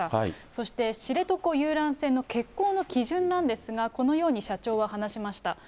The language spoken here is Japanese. そして知床遊覧船の欠航の基準なんですが、このように社長は話しました。